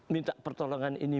minta pertolongan ini